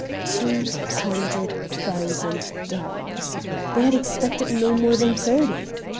Two hundred thousand dollars! They had expected no more than thirty.